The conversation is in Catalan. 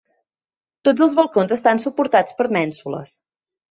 Tots els balcons estan suportats per mènsules.